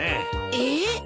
えっ！？